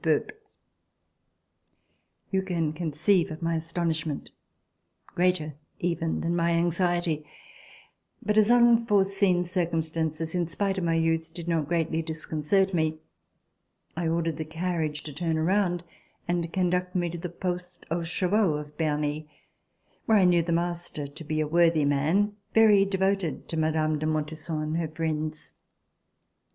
You can conceive of my astonishment — greater even than my anxiety; but as unforeseen cir cumstances, in spite of my youth, did not greatly disconcert me, I ordered the carriage to turn around and conduct me to the poste aux chevaux of Berny, where I knew the master to be a worthy man, very devoted to Mme. de Montesson and her friends.